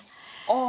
あ！